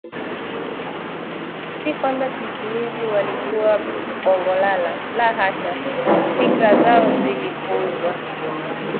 Si kwamba sisimizi walikuwa bongolala, la hasha! Fikra zao zilipuuzwa